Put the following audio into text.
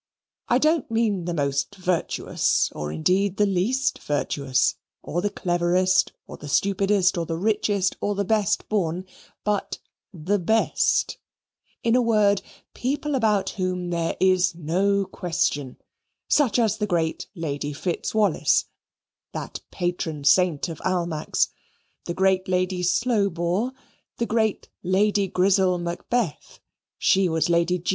I don't mean the most virtuous, or indeed the least virtuous, or the cleverest, or the stupidest, or the richest, or the best born, but "the best," in a word, people about whom there is no question such as the great Lady Fitz Willis, that Patron Saint of Almack's, the great Lady Slowbore, the great Lady Grizzel Macbeth (she was Lady G.